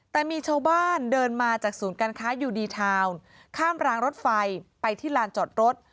แต่มีชาวบ้านเดินมาจากศูนย์การค้ายูดีทาวน์ข้ามรางรถไฟไปที่ลานจอดรถ